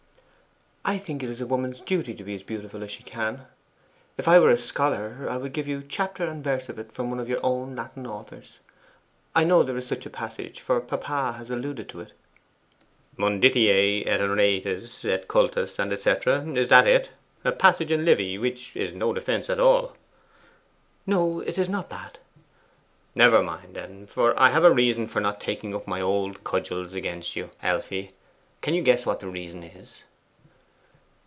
'I think it is a woman's duty to be as beautiful as she can. If I were a scholar, I would give you chapter and verse for it from one of your own Latin authors. I know there is such a passage, for papa has alluded to it.' "'Munditiae, et ornatus, et cultus," &c. is that it? A passage in Livy which is no defence at all.' 'No, it is not that.' 'Never mind, then; for I have a reason for not taking up my old cudgels against you, Elfie. Can you guess what the reason is?